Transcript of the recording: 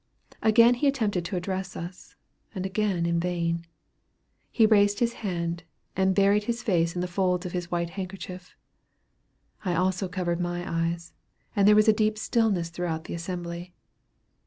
Again he attempted to address us, and again in vain. He raised his hand, and buried his face in the folds of his white handkerchief. I also covered my eyes, and there was a deep stillness throughout the assembly.